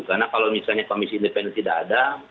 karena kalau misalnya komisi independen tidak ada